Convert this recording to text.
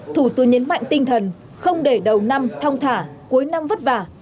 thủ tướng nhấn mạnh tinh thần không để đầu năm thong thả cuối năm vất vả